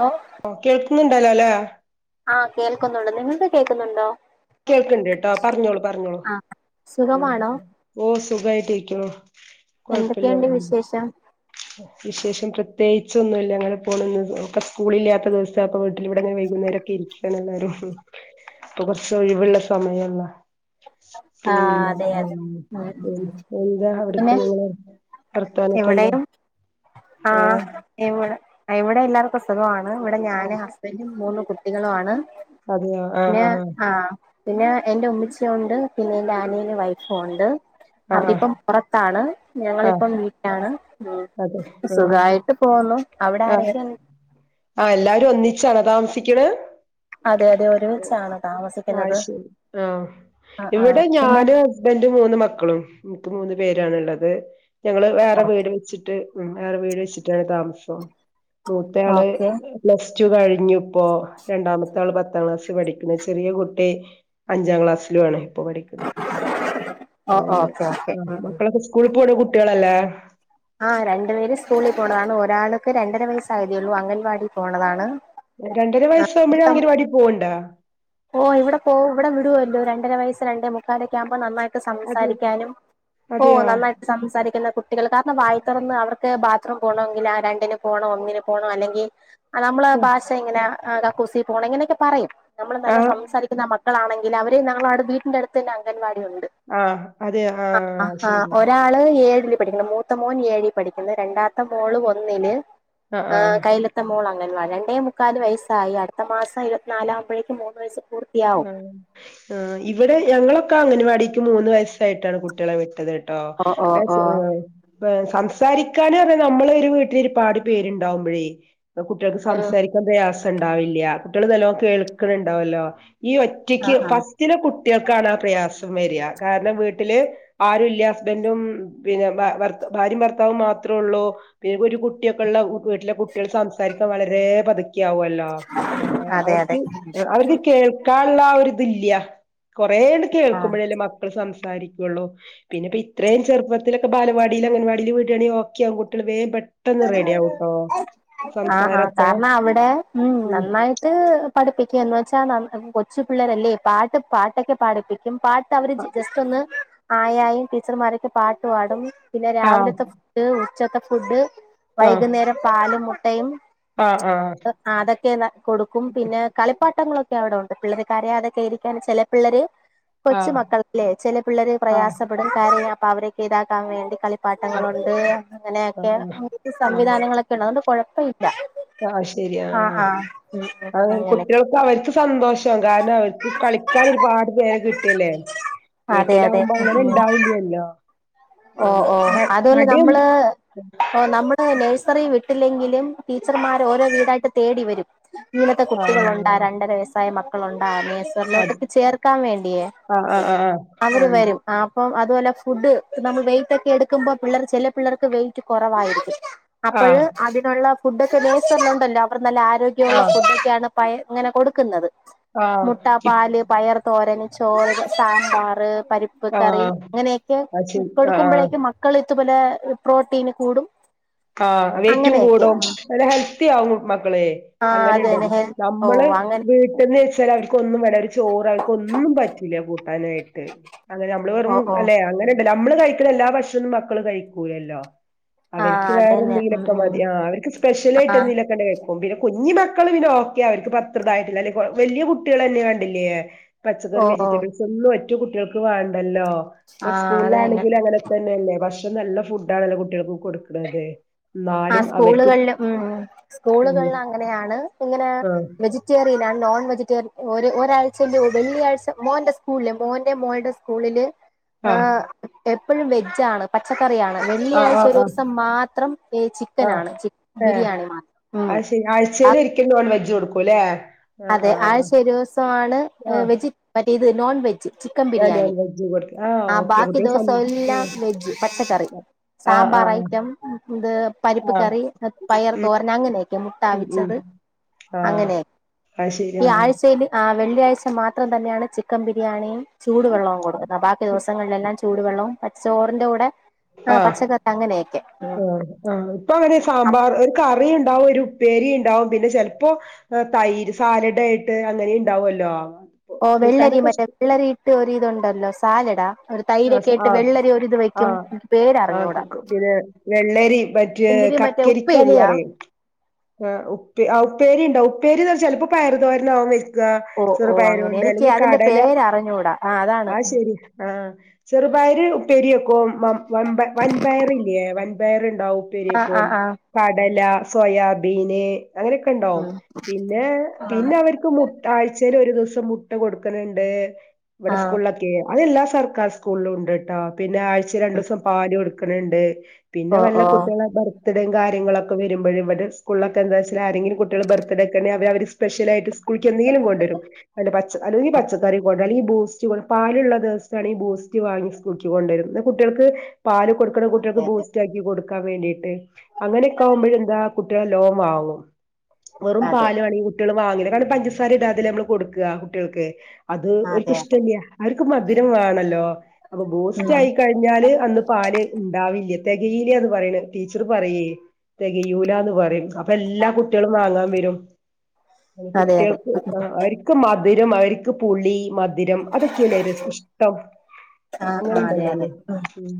Hello ഓ കേൾക്കുന്നുണ്ടല്ലോ അല്ലേ ആഹ് ആഹ് കേൾക്കുന്നുണ്ട്. നിങ്ങൾക്ക് കേക്കുന്നുണ്ടോ? കേൾക്ക്ണ്ട്ട്ടോ പറഞ്ഞോളൂ പറഞ്ഞോളൂ മ് സുഖമാണോ ഓ സുഖായിട്ടിരിക്കുന്നു. കൊഴപ്പയില്ലാതെ എന്തൊക്കെയുണ്ട് പോന്നു. വിശേഷം വിശേഷം പ്ര പ്രത്യേകിച്ചൊന്നുല്ല അങ്ങനെ പോണ് ന്ന് ഓൾക്ക് സ്കൂളില്ലാത്ത ദിവസായപ്പം വീട്ടിൽ ഇവിടെങ്ങനെ വൈകുന്നേരൊക്കെ ഇരിക്കാണ് എല്ലാവരും ഒഴിവുള്ള സമയല്ലേ പിന്നെ ഉം ഉം എന്താ അവിടത്തെ പിന്നെ നിങ്ങളെ വർത്താനൊക്കെ എന്താ ഇവിടെയും ആ ആഹ് ഇവിടെ ഇവിടെ എല്ലാവർക്കും സുഖമാണ് ഇവിടെ ആ, ഞാനും ഹസ്ബൻഡും മൂന്ന് കുട്ടികളാണ്. അതെയോ ആ ആ ആ പിന്നെ എന്റെ ഉമ്മിച്ചിയുണ്ട്. പിന്നെന്റെനിയനും വൈഫും ഒണ്ട്. ആ അവരിപ്പം ആ പൊറത്താണ്. ആ ഞങ്ങളിപ്പം വീട്ടിലാണ്. ഉം അതെ ആ സുഖായിട്ട് പോന്നു. ആ അതെ എല്ലാരും ഒന്നിച്ചാണോ താമസി ക്ക്ണ്. അതെ അതെ ഒരുമിച്ചാണ് താമസിക്കുന്നത് അയ് ശരി ആ ആഹ് ആഹ് ഇവിടെ പിന്നെ ഞാനും ഹസ്ബൻഡും മൂന്ന് മക്കളും. ഇപ്പം മൂന്ന് പേരാണുള്ളത്. ഞങ്ങള് വേറെ വീട് വെച്ചിട്ട് ഉം വേറെ വീട് വെച്ചിട്ടാണ് താമസം. മൂത്ത ആള് ഓക്കെ പ്ലസ് ടു കഴി ഞ്ഞു ഇപ്പോ. രണ്ടാമത്തെ ആള് പത് ത്താം ക്ലാസ്സ് പഠിക്കുന്നു. ചെറിയ കുട്ടി അഞ്ചാം ക്ലാസ്സിലും ആണേ. പഠിക്കണു. ഓ അത് തന്നെ. ഓക്കെ ഓക്കെ ഉം ഉം മക്കളൊക്കെ സ്കൂളി പോണ കുട് ട്ടികളല്ലെ? ആ രണ്ടു പേര് സ്കൂളി പോണതാണ്. ഒരാൾക്ക് രണ്ടര വയസ്സായതേയുള്ളൂ. അംഗൻവാടി പോണതാണ്. രണ്ടര വയസാവുമ്പോഴേ അങ്കണവാടിയിൽ പോവ്ണ്ടാ? ഓ ഇവിടെ പോവും. ഇവിടെ വിടുവല്ലോ. രണ്ടര വയസ്സ് രണ്ടേ മുക്കാലക്കെ ആവുമ്പോ നന്നായിട്ട് അത് സംസാരിക്കാനും ഓ അതെയോ നന്നായിട്ട് സംസാരിക്കുന്ന കുട് [unintelligible] വായി തുറന്ന് അവർക്ക് ബാത്റൂം പോണോങ്കിൽ ആ രണ്ടിന് പോണം, ഒന്നിന് പോണം അല്ലെങ്കി ആ നമ്മള ഭാഷ എങ്ങനാ ആ കക്കുസി പോണം ഇങ്ങനെയൊക്കെ പറയും നമ്മള് നല്ല ആഹ് സംസാരിക്കുന്ന മ ക്കൾ ആണെങ്കിൽ അവരെ ഞങ്ങള അവിടെ വീട്ടിന് അടുത്ത് തന്ന അംഗൻവാ ആ അതെ ആ ശരി പഠിക്കണം മൂത്തമോൻഏഴി പഠിക്കണ് രണ്ടാത്തെ മോള് ഒന്നിന് ആഹ് ആ ആഹ് കയ്യിലത്തെ മോൾ രണ്ടേ മുക്കാല് വയസ്സായി അടുത്ത മാസം ഇരുപത്തിനാലാക്പോഴേക്ക് മു വയസ് ആ ആ ഇവിടെ ഞങ്ങളൊക്കെ അങ്ങനവാടി എക്ക് മൂന്ന് വയസ്സായിട്ടാണ് കുട്ടികളെ വിട്ടത് ട്ടോ ഓ ഓ ഓ [unintelligible] സംസാരിക്കാനും അ നമ്മള ഒരു വീട്ടിൽ ഒരുപാട് പേരുണ്ടാവുമ്പോഴേ കുട്ടികൾക്ക് സംസാരിക്കൻ പ്രയാസ ഉണ്ടാവില്ല കുട്ടികൾ നല്ലോ കേൾക്കണണ്ടാവല്ലോ ഈ ആ ഒറ്റയ്ക്ക് ആ ഫസ്റ്റിലെ കു ട്ടികൾക്കാണ് ആ പ്രയാസം വരാ കാരണം വീട്ടില് ആരുല്ല ഹസ്ബൻറും പിന്നെ ഭ ഭാര്യയും ഭർത്താവും മാത്രമേള്ളൂ പിന്നെ ഒരു കുട്ടിയൊക്കെ ഉള്ള വീട്ടിലെ കുട്ടികൾ സംസാരിക്കാൻ വളരെ പതുക്ക ക്യാവല്ലോ അതെ അതെ അവർക്ക് അവർക്ക് കേൾ ആ ഒരുതില്യ കുറേണ്ട് ആ കേൾക്കുമ്പോഴേല്ലേ മക്കൾ സം സംസാരിക്കുള്ളു പിന്ന ഇപ്പൊ ഇത്രയും ചെറുപ്പത്തിലൊക്കെ ബാലവാടിയിലും അംഗൻവാടിയിലും വീടുകണെങ്ക ഒക്കെ ആകും കുട്ടികൾ വേ ആ ആ സംസാരൊക്കെ കാരണം അവിടെ ഉം നന്നായിട്ട് പഠിപ്പിക്കുകന്ന് വെച്ചാൽ കൊച്ചു പിള്ളേരല്ലേ പാട്ട് പാട്ടൊക്കെ പാഠിപ്പിക്ക പാട്ട് അവര് ജസ്റ്റ് ഒന്ന് ആയായും ടീച്ചർമാരൊക്കെ പാട്ട് പാടും പിന്നെ ആഹ് രാവിലത്തെ ഫുഡ് ഉ ചത്തെ ഫുഡ് ആഹ് വൈകുന്നേരം പാലും മു ടൈം ആഹ് ആഹ് അതൊക്കെ കൊടുക്കും പിന്നെ കളിപ്പാട്ടങ്ങളൊക്കെ അവിടെ ഉണ്ട് പിള്ളേർക്ക് കരിയാതെക്കെ ഇരിക്കാൻ ചില പിള്ളേര് കൊച്ചു ആഹ് മക്കള അല്ലേ ചില പിള്ളേര് ആഹ് പ്രയാസപ്പെടും കരയ അവരെക്കെതാക്കാ വേണ്ടി കളി ആഹ് പാട്ടങ്ങളുണ്ട് അങ്ങനെയൊക്കെ ആഹ് സംവിധാനങ്ങളൊക്കെ ള്ള ഇപ്പ കുഴപ്പം ആ ശരിയാ ഉം ഉം അ [unintelligible] അങ്ങനെ കുട്ടികൾക്ക് അവർക്ക് സന്തോഷം കാരണം അവർക്ക് കളിക്കാൻ ഒരുപാട് പേരെ കിട്ടില്ലേ അതെ അതെ വീട്ടിലാവുമ്പോ അങ്ങനെ ഉം ഉം ഇണ്ടാവില്ലല്ലോ ഓ ഓ മ അതുപോലെ മടിയൊ നമ്മള് ഓ നമ്മള് നേഴ്സ് റി വിട്ടില്ലെങ്കിലും ടീച്ചർമാർ ഓരോ വീടായിട്ട് തേടി വരും ഇങ്ങത്തെ കുട്ടികളുണ്ട ആഹ് രണ്ടര വയ സ്സായ മക്ക ആ ആ അത് നഴ്സറിയിലോട്ടേക്ക് ചേർക്കാൻ വേണ്ടിയേ ആഹ് ആഹ് ആഹ് ആഹ് അവര് ആണ്ട് വരും ആ അപ്പം ആ തുപോലെ ഫുഡ് നമ്മൾ വെയിറ്റ് ഒക്കെ എടുക്കുമ്പോ പിള്ളർ ചില പിള്ളർക്ക് വെയിറ്റ് കുറവായിരിക്കും അപ്പെഴ് ആഹ് അതിനുള്ള ഫുഡൊക്കെ നഴ്സറി ഉണ്ടല്ലോ അവർ നല്ല ആരോഗ്യമുള്ള ആഹ് ഫുഡൊക്കെയാണ് പയ ഇങ്ങനെ കൊടുക്കുന്നത് ആഹ് മുട്ട ഇപ് പാല് പയർ തോരന് ചോറ് സാ മ്പാറ് പരിപ്പ് കറി ആഹ് അങ്ങനെയൊക്കെ അത് ശരി ആഹ് കൊടുക്കുമ്പഴേക്ക് മക്കളിത് ലെ റീപ്രോട്ടീന് കൂടും ആ വെയ്റ്റും അങ്ങനെയൊക്കെ കൂടും നല്ല ഹെൽത്തി ആവും [unintelligible] ആ അത് തന്നെ ഹെൽ ഓ അങ്ങനെണ്ട്നമ്മള് അങ്ങനെ വീട്ടിന്ന് വെച്ചാൽ അവർക്ക് ഒന്നും വല്ല ഒരു ചോറ് അവർക്ക് ഒന്നും പറ്റില്ല കൂട്ടാനായിട്ട് അങ്ങനെ നമ്മള് ഓ വെറും ഓ അല്ലെ അങ്ങനെ നമ്മള് കഴിക്കണ എല്ലാ ഭക്ഷണം മക്കള് കഴിക്കൂലല്ലോ ആ അവര് വേറെ അതന്നെ ഉം നീലൊക്കെ ഉം മതി ആ അവർക്ക് സ്പെഷ്യൽ ആയിട്ട് ആ എന്തേലും ണ്ടെങ്കിൽ കഴിക്കും [unintelligible] പിന്നെ കുഞ്ഞി മക്കൾ പിന്നെ ഓക്കെ അവർക്ക്പ്പോത്രതായിട്ടില്ല അല്ല വല്ല്യ കുട്ടികൾ തന്നെ കണ്ടില്ലേ ഓ പച്ചകറി ഓ വെജിറ്റബിൾസൊന്ന കുട്ടികൾക്ക് വേണ്ടല്ല ഹലോ ഇപ്പൊ ആ അതന്നെ സ്കൂളിലാണെങ്കിലും അങ്ങനെ തന്നെയല്ലേ ഭക്ഷ നല്ല ഫുഡ് ആണല്ലോ കുട്ടികൾക്ക് കൊടുക്കാ അതെ ആ സ്കൂളുകളിൽ ഉ ഉം സ്കൂളുകളിൽ അങ്ങനെയാണ് ഇങ്ങനെ വെജിറ്റേറിയൻ ആണ് നോൺ വെജിറ്റേറിയൻ ഒരാഴ്ച വെള്ളിയാഴ്ച മോന്റെ മോന്റെ മോളുടെയും സ്കൂളില് ആ ആ ആഹ എ ഇപ്പോഴും വെജ് ആണ് പച്ചക്കറി റിയാണ് വെള്ളിയാഴ്ച ഒരു ദിവസം മാത്രം ചിക്കനാണ് ചി ആഹ ബിരിയാണി മാത്രം ഉം ആ ശരി ആഴ്ചയിൽ ഒരിക്കൽ വെജ് കൊടുക്കുംല്ലേ അതെ ആഴ്ച ഒരു ദിവസമാണ് ആ വെജിറ്റ മറ്റേ നോൺവെജ് ചിക്കൻ ആ ബിരിയാണി നോൺ വെജ് കൊടുക്കും ആ ഓക്കെ ബാക്കി കുട്ടികൾ ദിവസം സമ്മ എല്ലാം വെജ് പച്ചക്കറി ആ ആ സാമ്പാർ ഐറ്റം ഇത് പരിപ്പ് ആ കറി പയർ ഉം തോരൻ അങ്ങനെയൊക്കെ മുട്ട ഉം ഉം വിച്ചത് ആഹ് അങ്ങനെയക്കെ അത് ശരിയാണ് ആ വെള്ളിയാഴ്ച മാത്രം തന്നെയാണ് ചിക്കൻ ബിരിയാണി ചൂടു വെള്ളവും കൊടുക്കുന്ന ബാക്കി ദിവസങ്ങളിലെല്ലാം ചൂടു വെള്ളവും പച്ചോറിൻന്റെറെ കൂടെ ആ ആഹ പച്ചക്കറി അങ്ങനെയൊക്കെ ഉം ആ ആഹ് ഇപ്പൊ അങ്ങനെ സാമ്പാർ ഒരു കറി ഉണ്ടാവും ഒരു ഉ പേരി ഉണ്ടാവും പിന്നെ ചിലപ്പോൾ തൈര് സാലഡ് ആയിട്ട്അങ്ങനെ ഉണ്ടാവുമല്ലോ ഓ വെള്ളരി മറ്റേ വെള്ളരി ഇട്ട് ഒരിതുണ്ടല്ലോ സാലഡാ ഒരു ആ തൈരൊക്കെ ആ ഇട്ട് വെള്ളരി ഒരിത് ആ വെക്കും എനിക്ക് ആ പേരറിഞ്ഞൂടാ പിന്നെ വെള്ളരി മറ്റേ എന്തിര് മറ്റേ കക്കരിക്കന്ന് ഉപ്പേരിയാ പറയും ആ ഉപ്പ ഉപ്പേരി ഉണ്ടാകുംഉപ്പേരിന്ന് പറ ചിലപ്പോ പയർ തോരൻ ആവാൻ വ ഓ ഓ അങ്ങനെ ചെറുപയരുണ്ട് എനിക്ക് അല്ലെങ്കിൽ അതിന്റെ കടല പേരറിഞ്ഞൂടാ അതാണ് ആ ശരി ആഹ ചെറുപയർ ഉപ്പേരി വൻ പയറല്ലേ വ വേറെ ഉപ്പേരി ആ ആ വയ്ക്കും ആ കടല സോയാബീൻ പിന്നെ അങ്ങനെയൊക്കെ ഉണ്ടാവും ഉം പിന്നെ പിന്നെ അവർക്ക് മുട്ട ആഴ്ചൽ ഒരു ദിവസം മുട്ട കൊടുക്കണണ്ട് ഇവിടെ ആ സ്കൂളിലൊക്കെ അതല്ലാ സർക്കാർ സ്കൂളിലുണ്ടട്ടാ പിന്നെ ചിലപ്പോൾ രണ്ടുദിവസം പാലു കൊടുക്കും കണണ്ടേ പിന്നെ ഓ വല്ല ഓ കുട്ടികളെ ബാഗ് ബർത്ത്ഡേയും കാര്യങ്ങളൊക്കെ വരുമ്പഴ് ഇവിടെ സ്കൂളൊക്കെ എന്താച്ചാ ആരെങ്കിലും കുട്ടികള് ബർത്ത്ഡേക്കെ ഉണ്ടെങ്കിൽ അവര് സ്പെഷ്യലായിട്ട് സ്കൂൾക്ക് എന്തെങ്കിലും കൊണ്ട് വരും അല്ല പച്ച അല്ലെങ്കി പച്ചക്കറി കൊണ്ട് അല്ലെങ്കി ബൂസ്റ്റ്‌ പാലുള്ള ദിവസാണെങ്കിൽ ബൂ സ്റ്റ് വാങ്ങി സ്കൂൾക്ക് കൊണ്ടുവരും എന്ന കുട്ടികൾക്ക് പാല് കൊടുക്കണ കുട്ടികൾക്ക് അതെ ബൂസ്റ്റ് ആക്കി കൊടുക്കാൻ വേണ്ടിട്ട് അങ്ങനെയൊക്ക ആവുമ്പഴെന്താ കുട്ടികള് ല്ലോം വാങ്ങും വെറും അതെ അതെ പാല് ആണെങ്കിൽ കുട്ടികള് വാങ്ങില്ല രുപാട് പഞ്ചസാര ഇടാതെ അല്ലെ നമ്മള് കൊടുക്കുക കുട്ടികൾക്ക് അത് ഓർക്ക് അതെ അതെ ഇഷ്ടല്ല്യാ അവർ ക്ക് മധുരം വേണല്ലോ അപ്പൊ ബൂസ്റ്റ്‌ ഉം ആയിക്കഴിഞ്ഞാല് അന്ന് പാല് ഇണ്ടാവില്ല തികയില്ല എന്ന് പറയണ് ടീച്ചർ പറയേ തെകയൂല എന്ന് പറയും അപ്പ എല്ലാ കുട്ടികളും വാങ്ങാൻ വരും [inaudible] അതെ കുട്ടികൾക്ക് അതെ ആ അവർക്ക് മ മധുരം അവർക്ക് പുളി മധുരം അതൊക്കെയരല്ലേ ഇഷ്ടം ആ അങ്ങനെ ആ അതെ അതെ ഉണ്ടല്ലോന്ന് മ് ഉം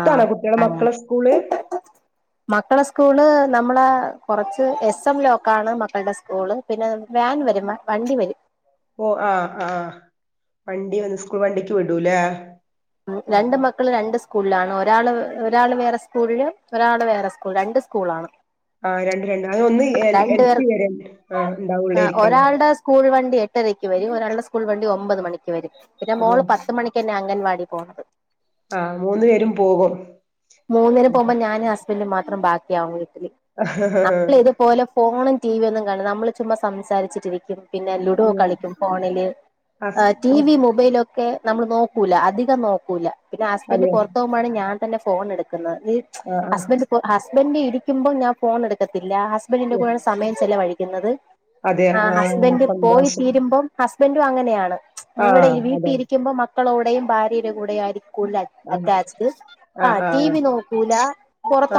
ആ കുട്ടികളെ അങ്ങനെ മക്കളെ സ്കൂള് മക്കളെ സ്കൂള് നമ്മള് കെറച്ച് എസ് എം ലോക്കാണ്. മക്കളടെ സ്കൂള് പിന്നെ വാൻ വരും വണ്ടി വരും. ഓ ആ ആ വണ്ടിവന്ന് സ്കൂൾ വണ്ടിക്ക് വിടൂല്ലേ രണ്ട് ശരി. മക്കള് രണ്ട് സ്കൂളിലാണ് ഒരാള് ഒരാള് വേറെ സ്കൂളില് ഒരാള് വേറെ സ്കൂൾ രണ്ട് സ്കൂളാണ് ആ, രണ്ട് രണ്ട് അത് ഒന്ന് എൽ രണ്ട് എൽ പേർ പി വരെ ആ ഉണ്ടാവുള്ളായിരിക്കാരം ഒരാളുടെ സ്കൂൾ വണ്ടി എട്ടരക്ക് വരും ഒരാളുടെ സ്കൂൾ വണ്ടി ഒ ഒമ്പത് മണിക്ക് വരും പിന്നെ അതെയോ മോള് പത്ത് മണിക്ക് തന്നെ അ അംഗൻവാടി പോണത് ആ മൂന്ന് പേരും പോകും മൂന്നിന് പോകുമ്പോ ഞാൻ ഹസ് ബൻഡ് മാത്രം ബാക്കിയാവും നമ്മൾ ഇതുപോലെ ഫോണ് ടി വി ഒന്നും കാണൂ നമ്മള് ചുമ്മാ സംസാരിച്ചിട്ടിരിക്കും പിന്നെ ലുഡോ അതെയോ കളിക്കും ഫോണില് ഹസ് ടി. വി ഹസ് മൊബൈലൊ ക്കെ നമ്മൾ നോക്കൂല അധികം നോക്കൂല പിന്നെ ഹസ്ബന്റ് അതെയോ പുറത്ത പോകുമ്പാണ് ഞാൻ തന്നെ ഫോൺ എടു [unintelligible] [unintelligible] ആ ആ ഹസ്ബഇന്റെ ഇപ്പൊ ഹസ് ബന്റ് ഇരിക്കുമ്പോ ഞാൻ ഫോൺ എടുക്കത്തി അല്ല ഹസ്ബന്റിന്റെ കൂടെ സമയം ചെിലവഴിക്കും ുന്നത് [unintelligible] ആ ഹസ്ബൻഡ് പോയി സന്തോഷം തീരുമ്പംഹ സ്ബ ബസ്ബൻഡും അങ്ങനെയാണ് ആ ഇവിടെ വീട്ടിൽ അതെ ഇരിക്കുമ്പോ മാ മക്കളോടെയും ഭാര്യയുടെ കൂടെ ആയിരിക്കും കൂടുത്താല് ആ അറ്റാആച് ദിസ്‌ ആ ടി വി നോക്കൂല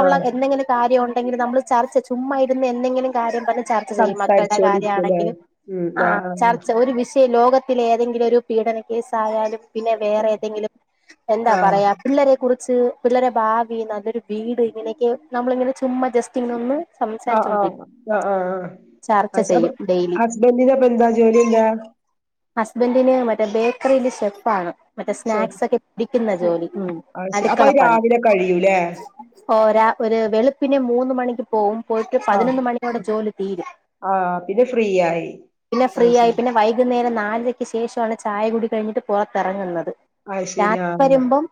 ആ എന്തെങ്കിലും കാര്യ ഉണ്ടെങ്കിൽ നമ്മൾ ചർച്ച ചുമ്മാരുന്ന എന്തെങ്കിലും കാര്യം പറ ചർച്ച ചെയ്യും മക്കളുടെ സംസാരിച്ചോണ്ടിരിക്കുംല്ലേ? കാര്യമാണെങ്കിലും ഉം ആ ആഹ് ചർച്ച ഒരു വി ഈ ലോകത്തിലെ ഏതെങ്കിലും ഒരു പീഡന കേസായാലും പിന്നെ വേറെ ഏതെങ്കിലും എന്താ ആഹ് പറയാ പിള്ളേരെ കുറിച്ച് ച്ച് പിള്ളേടെ ഭാവി നല്ലൊരു വീട് ഇങ്ങനെയൊക്കെ നമ്മള ഇങ്ങനെ ചുമ ആഹ ആഹ ആഹ് ആഹ് ചർച്ച ആഹ് അപ്പൊ ചെയ്യും ഡെയിലി ഹസ്ബൻഡിന്റെ അപ്പൊ എന്താ ജോലി എന്താ ബേക്കറിയിൽ ഷെഫ് ആണ് മറ്റേ ഷെഫ് സ്നാക്സ് ഒക്കെ പിടിക്കുന്ന ജോലി ഉം അത് അപ്പൊ അടുക്കളപ്പണി രാവിലെ കഴിയൂല്ലേ പിന്നെ മൂന്ന് മണിക്ക് പോകവും പോയിട്ട് ആഹ് പതിനൊന്ന് മണിയടെ ജോലി തീരും ആഹ് പിന്നെ ഫ്രീ ആയി. പിന്നെ ഫ്രീ അത് ആയി ശരി പിന്നെ വൈകുന്നേരം നാ നാലയ്ക്ക് ശേഷമാണ് ചായ കൂടി കഴിഞ്ഞിട്ട് പുറത്തിറങ്ങുന്നത് അത് ശരി രാത്രി ആഹ് വരുമ്പം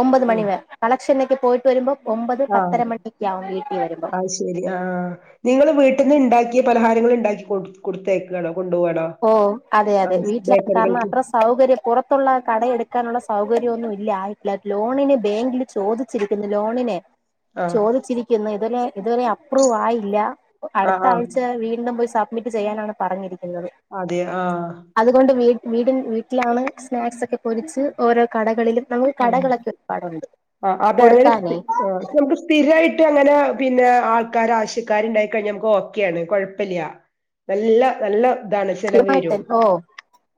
ഒമ്പത് മണി വരെ ചെന്നേക്ക് പോയിട്ട് വരുമ്പോ ഒമ്പത് ആ പത്തര മണിയൊക്കെ ആവും വീട്ടിൽ വരുമ്പോ അത്ശരി ആ നിങ്ങൾ വീട്ടിൽന്ന് ഉണ്ടാക്കിയ പലഹാര നിങ്ങൾ ഉണ്ടാക്കി കൊടു കൊടുത്തേക്കണം ഓ അതെ അതെ വീട്ടില കാരണം ബേക്കറികൾക്ക് അത്ര സൗകര്യം പുറത്തുള്ള കട എടുക്കാനുള്ള സൗ സൗകര്യംൊന്നും ഇല്ല ആയിട്ടില്ല ലോണിനെ ബാങ്കില് ചോദിച്ചിരിക്കുന്ന ലോണിനെ ആഹ് ചോദിച്ചിരിക്കുന്നു ഇതിലെ ഇതുവരെ അപ്രൂവ ആയില്ല അടുത്ത ആഹ് ആഹ് ആഴ്ച വീണ്ടും പോയി സ ഇനിപ്പ ചെയ്യാനാണ് പറഞ്ഞിരിക്കുന്നത് അതെ ആഹ് വീടിൻ വീട്ടിലാണ് സ്നാക്സ്സൊക്കെ പൊരിച്ച് ഓരോ കടകളിലും നമുക്ക് ആഹ് കടകളൊക്കെ ഒരുപാടുണ്ട് ആഹ് അതെ അതയാത് സ്ഥി കൊടുക്കാനേ നമുക്ക് സ്ഥിരായിട്ട് ട്ട് അങ്ങനെ പിന്നെ ആൾക്കാര ആശ്യക്കാര്ണ്ടായി കഴിഞ്ഞ നമുക്ക് ഓക്കെയാണ് കൊഴപ്പില്ല നല്ല നല്ല അതാണ് ചെലവ് വരും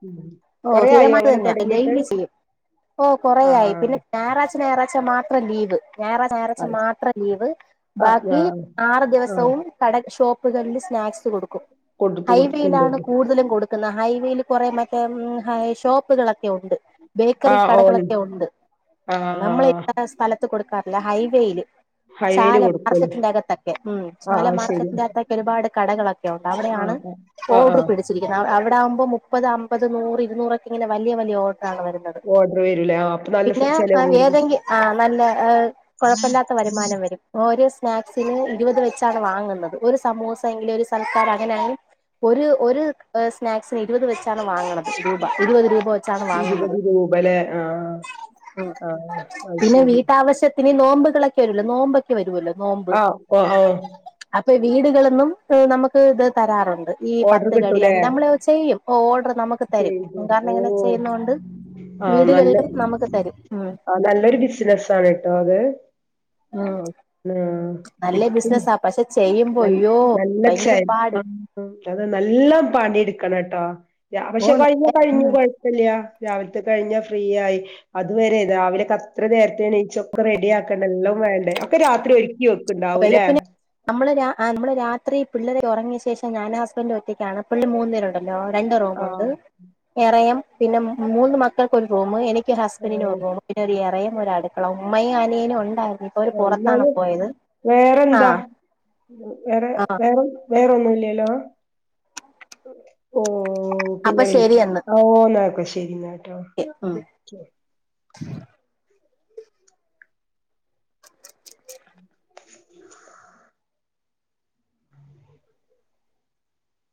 ഉം ഓഹ് കൊറേ ആയോ സ്ഥിരമായിട്ട് അങ്ങനെ തന്നെയ തൊടങ്ങീട്ട്? എന്തായാലും മിസ്സ്‌ ചെയ്യും ഓഹ് ആ കുറേയായി ആ പിന്നെ ഞായറാഴ്ച ഞായറാഴ്ച മാത് പ്രദീപ് ഞായറാഴ്ച ഞായറാഴ്ച അത് ശരി. മാത്രം ലീവ് ആ ബാക്കി ആ ആറ് ആ ദിവസവും കട ഷോപ്പ് ബുധൻല്ലി സ്നാക്സ് സ് കൊടുക്കും കൊടുത്തു ഐ കൊടുത്തു വി ലാണ് കൊണ്ടുവന്നു. കൂടുതലും കൊട് ക്ക്ന്ന ഹൈവേല് കൊറെ മറ്റ് ഉം ഹൈ ഷോപ്പുകളൊക് ക്കെ ഉണ്ട് ആ ബേക്കറി ഓൺ കടകളൊക്കെ ഉണ്ട് ആ ആ നമ്മള് ഈ സ്ഥലത്ത് കൊടുക്കാ അല്ല ഹൈവേയില് ഹൈവേല് ചാല കൊടുക്കൂലേ. മാർക്കറ്റിന്റെ അകത്തൊക്കെ ഉം ആ ചാല ആ ശരിയാ. മാർക്കറ്റിന്റെ അകത്തൊക്കെ ഒരുപാട് കടകളക് യോട്ട ആ കടയാണ് ആ ആ ആ ഓർഡർ പിടിച്ചിരിക്കുന്നത് അവ അവർ താകുമ്പോ മുപ്പത മുപ്പത് നൂറ് ഇരുന്നൂറൊക്കെ ഇങ്ങന വലിയ വലിയ ഓഡ് താണ് വരുന്നത് ഓർഡർ വരൂലേ. ആ അപ്പൊ നല്ല സെ പിന്നെ ചെലവ് വരും. ഏതെങ്കിലും ആഹ് നല്ല ഏഹ് കൊഴപ്പില്ലാത്ത വരുമാനം വരും ഒരു സ് സ്നാക്സിന് ഇരുപത് വെച്ചാണ് വാങ്ങുന്നത് ഒരു സമൂസ എങ്കില് ഒരു സൽക്കാര് അങ്ങനെയാണ് ഒരു ഒരു ഏഹ് സ്നാക്സിന് ഇരുപത് വെച്ച് ച്ചാണ് വാങ്ങണത് രൂപ ഇരുപത് രൂപ വെ ഇരുപത് രൂപലെ ആഹ് ആഹ് അത് ശരി പിനി നോമ്പുകളെക്കെ വരുല്ലോ നോമ്പൊക്കെ വരുവല്ലോ ആഹ് ഓഹ് ആഹ് ഓഹ് വീടുകളിന്നും നമുക്ക് ഇത് തരാറുണ്ട് ഈ ഓർഡർ പത്ത് കിട്ടൂലേ. കടിയ നമ്മള് അത് ചെയ്യും ഓർഡർ നമുക്ക് തരും ചെയ്തു. കാരണം ഇങ്ങനെ ഓഹ്! ചെയ്യുന്നൊണ്ട് ആഹ് നല്ല വീടുകളിലും നമുക്ക് തരും ഉം ആഹ് നല്ലൊരു ബിസിനസ്സാണ് ട്ടോ അത്. ഉം ആഹ് നല്ല പിടിച്ച് ബിസിനസ പക്ഷെ ചെയ്യുമ്പോ അയ്യോ ഭയങ്കര പാട് ഉം അതെ നല്ലം പാണി എടുക്കണംട്ടോ യ ഓ പക്ഷെ കഴിഞ്ഞ കഴിഞ്ഞു ഉം കൊഴപ്പില്യ രാവിലത്തെ കഴിഞ്ഞാ ഫ്രീ ആയി അതുവരെ രാവിലെൊക്കെ അത്ര നേരത്തെണിച്ചൊക്കെ റെഡിയാക്കക്കണ്ട എല്ലാം വേണ്ടേ ഒക്കെ രാത്രി ഒരുക്കിോക്കും വെളുപ്പിന് നമ്മള് നമ്മള് രാത്രി പിള്ളേരെ ഉറങ്ങി ശേഷം ഞൻ ഹസ്ബൻഡ ഒറ്റക്കാണ് പുള്ളി മന്നേരുണ്ടണ്ട് രണ്ട് റൂമ് ഉണ്ട് ആഹ് വേറേം പിന്നെ മൂന്ന് മക്കൾക്ക് ഒരു റൂം എനിക്ക് ഹസ്ബൻഡിന് ഓഹ് ഒരു റൂം ഒ അടുക്കള ഉമ്മയും അനിയനും ഉണ്ടായി ഇപ്പൊ ഓര് പുറത്താണ് എന്നാല് പോയത് വേറെന്താ ആഹ് വേറെ ആഹ് വേറെ വേറെ ഒന്നുംല്ലല്ലോ ഓ ഓ അപ്പൊ പിന്നെ വിളിക്ക ഓന്ന ശരിന്നാ എ ഉം [inaudible] [inaudible]